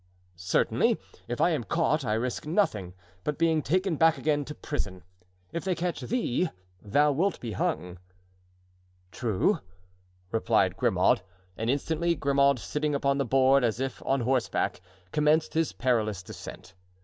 "Certainly. If I am caught, I risk nothing but being taken back again to prison. If they catch thee, thou wilt be hung." "True," replied Grimaud. And instantly, Grimaud, sitting upon the board as if on horseback, commenced his perilous descent.